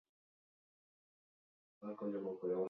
Errege armadaren garaipena ez zen erabakigarria izan.